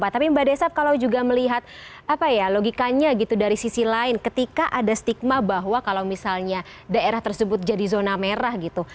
tapi mbak desaf kalau juga melihat apa ya logikanya gitu dari sisi lain ketika ada stigma bahwa kalau misalnya daerah tersebut jadi zona merah gitu